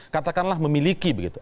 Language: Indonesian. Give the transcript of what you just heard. katakanlah memiliki begitu